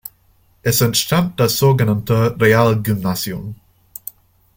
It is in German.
Es entstand das sogenannte Realgymnasium.